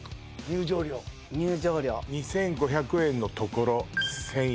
入場料２５００円のところ１０００円